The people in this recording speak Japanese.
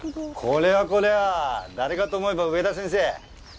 これはこれは誰かと思えば上田先生。